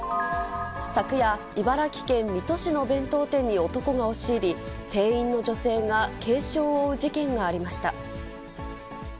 昨夜、茨城県水戸市の弁当店に男が押し入り、店員の女性が軽傷を負う事件がありました。